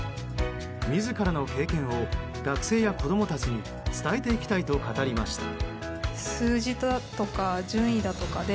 自らの経験を学生や子供たちに伝えていきたいと語りました。